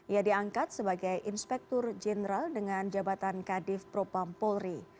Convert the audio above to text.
ia diangkat sebagai inspektur jeneral dengan jabatan kadif propampolri